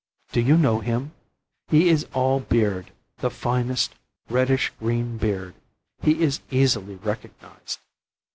Do you know him? He is all beard, the finest reddish green beard; he is easily recognized.